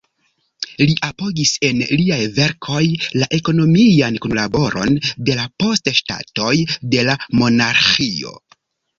Li apogis en liaj verkoj la ekonomian kunlaboron de la post-ŝtatoj de la Monarĥio.